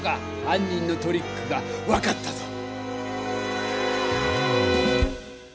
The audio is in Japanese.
はん人のトリックが分かったぞ！